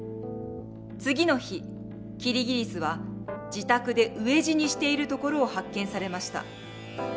次の日キリギリスは自宅で飢え死にしているところを発見されました。